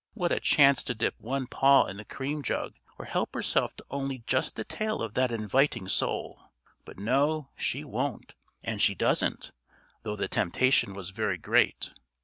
What a chance to dip one paw in the cream jug, or help herself to only just the tail of that inviting sole! But no, she won't; and she doesn't, though the temptation was very great.